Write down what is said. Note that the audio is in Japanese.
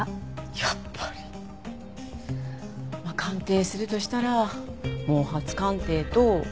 やっぱり。鑑定するとしたら毛髪鑑定と尿検査かな。